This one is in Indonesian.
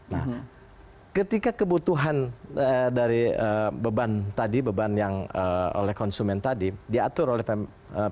nah ketika kebutuhan dari beban tadi beban yang oleh konsumen tadi diatur oleh pemerintah